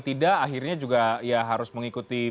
tidak akhirnya juga ya harus mengikuti